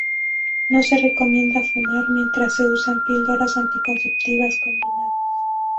No se recomienda fumar mientras se usan píldoras anticonceptivas combinadas.